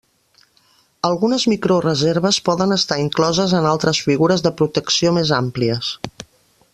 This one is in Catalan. Algunes microreserves poden estar incloses en altres figures de protecció més àmplies.